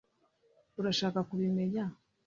urashaka kubimenya